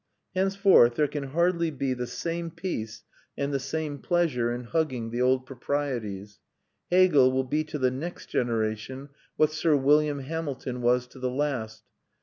Henceforth there can hardly be the same peace and the same pleasure in hugging the old proprieties. Hegel will be to the next generation what Sir William Hamilton was to the last.